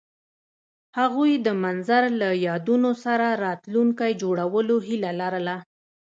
هغوی د منظر له یادونو سره راتلونکی جوړولو هیله لرله.